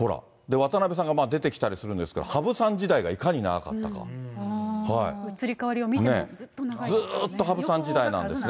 渡辺さんが出てきたりするんですが、羽生さん時代がいかに移り変わりを見ても、ずっとずっと羽生さん時代なんですね。